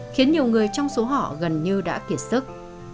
khiến nhiều người trong số họ gần như đã kiệt sức